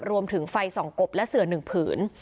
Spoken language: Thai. รวมถึงไฟสองกบและเสือหนึ่งผืน